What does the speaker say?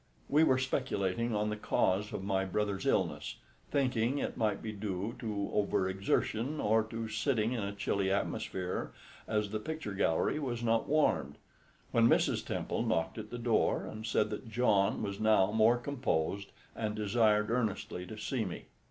We were speculating on the cause of my brother's illness, thinking it might be due to over exertion, or to sitting in a chilly atmosphere as the picture gallery was not warmed, when Mrs. Temple knocked at the door and said that John was now more composed and desired earnestly to see me.